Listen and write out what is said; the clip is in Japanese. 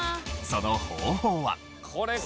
その方法は。